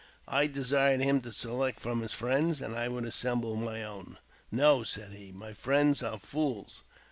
I desired him to select from his friends, and I would assemble my own. " No," said he, " my friends are fools.